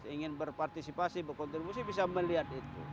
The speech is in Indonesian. ingin berpartisipasi berkontribusi bisa melihat itu